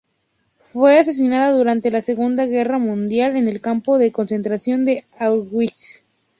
Fue asesinada durante la Segunda Guerra Mundial en el campo de concentración de Auschwitz.